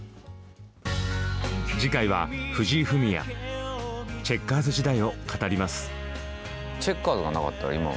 次回は藤井フミヤ、チェッカーズ時代を語ります。